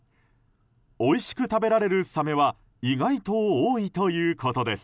おいしく食べられるサメは意外と多いということです。